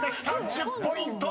［１０ポイント！］